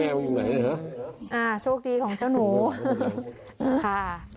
อืมอ่าโชคดีของเจ้าหนูค่ะ